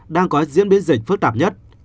đang có diễn biến dịch phức tạp nhất